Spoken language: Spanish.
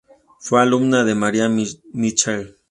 Fue alumna de Maria Mitchell.